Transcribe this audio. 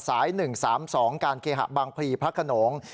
สาย๑๓๒การเคหะบางพลีพระขนง